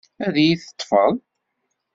Ad iyi-teṭṭefeḍ?